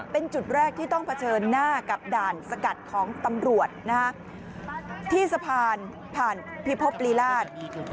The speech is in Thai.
เป็นจุดแรกที่ต้องเผชิญหน้ากับด่านสกัดของตำรวจที่สะพานผ่านพิภพลีราช